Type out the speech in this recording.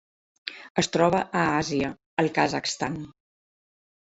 Es troba a Àsia: el Kazakhstan.